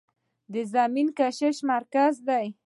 زمین د کشش مرکز دی.